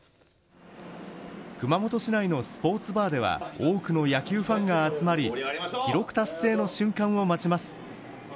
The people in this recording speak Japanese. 熊本市内のスポーツバーでは、多くの野球ファンが集まり、記録達成の瞬間を待ちます。